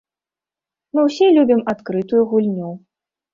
Мы ўсе любім адкрытую гульню.